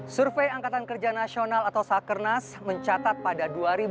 survei angkatan kerja nasional atau sakernas mencatat pada dua ribu dua puluh